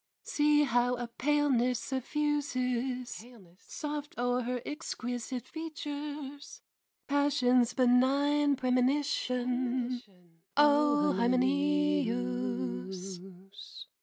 See how a paleness suffuses Soft o'er her exquisite features, Passion's benign premonition, O Hymenæus!